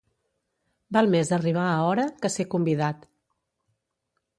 Val més arribar a hora, que ser convidat.